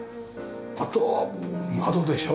あとは窓でしょ。